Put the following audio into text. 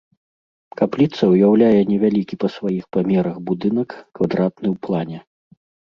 Капліца ўяўляе невялікі па сваіх памерах будынак, квадратны ў плане.